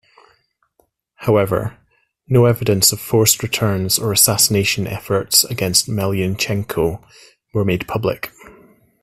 However, no evidence of forced return or assassination efforts against Melnychenko were made public.